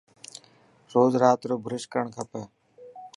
روز رات رو برش ڪرڻ کپي.